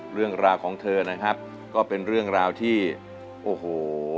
เรื่องราวของเธอนะครับก็เป็นเรื่องราวที่โอ้โห